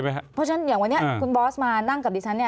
อย่างวันนี้คุณบอสมานั่งกับดีชัน